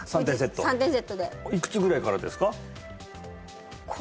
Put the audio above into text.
３点セットでいくつぐらいからですか？